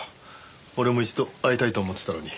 俺も一度会いたいと思ってたのに。